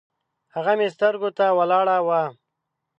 هغه مې سترګو ته ولاړه وه